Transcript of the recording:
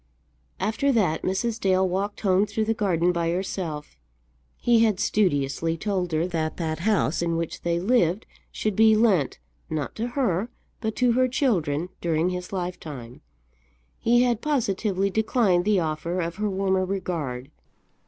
After that Mrs. Dale walked home through the garden by herself. He had studiously told her that that house in which they lived should be lent, not to her, but to her children, during his lifetime. He had positively declined the offer of her warmer regard.